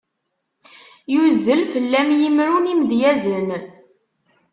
Yuzzel fell-am yimru n yimedyazen.